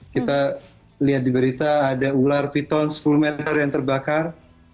kita lihat di berita ada ular piton sepuluh meter yang terbakar